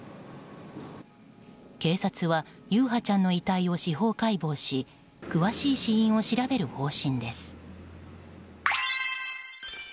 警察は、優陽ちゃんの遺体を司法解剖し詳しい死因を調べる方針です。